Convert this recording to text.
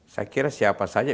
saya kira siapa saja